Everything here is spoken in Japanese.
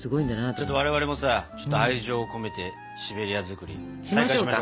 ちょっと我々もさ愛情を込めてシベリア作り再開しましょうか！